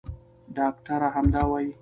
ډاکټره همدا وايي.